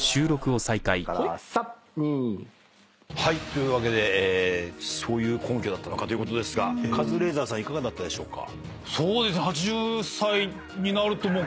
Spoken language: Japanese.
３２。というわけでそういう根拠だったのかということですがカズレーザーさんいかがだったでしょうか？